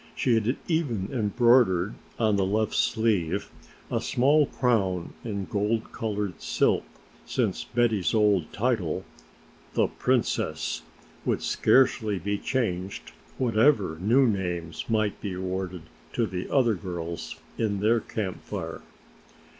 She had even embroidered on the left sleeve a small crown in gold colored silk, since Betty's old title "The Princess" would scarcely be changed whatever new names might be awarded to the other girls in their Camp Fire.